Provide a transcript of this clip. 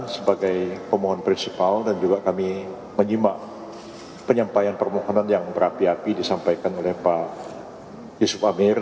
sebagai pemohon prinsipal dan juga kami menyimak penyampaian permohonan yang berapi api disampaikan oleh pak yusuf amir